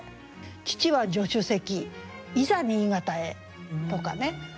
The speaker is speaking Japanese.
「父は助手席いざ新潟へ」とかね。